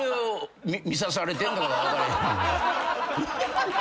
ハハハ！